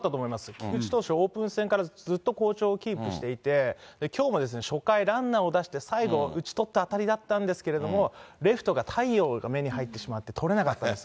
菊池投手、オープン戦からずっと好調をキープしていて、きょうも初回、ランナーを出して、最後、打ち取った当たりだったんですけれども、レフトが太陽が目に入ってしまって捕れなかったんです。